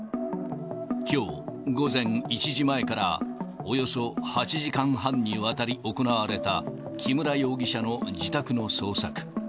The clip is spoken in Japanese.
きょう午前１時前からおよそ８時間半にわたり行われた木村容疑者の自宅の捜索。